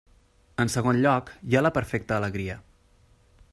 En segon lloc, hi ha la perfecta alegria.